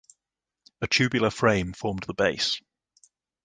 A tubular frame formed the base.